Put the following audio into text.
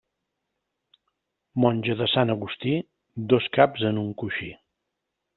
Monja de Sant Agustí, dos caps en un coixí.